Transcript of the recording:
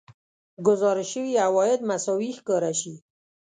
ګزارش شوي عواید مساوي ښکاره شي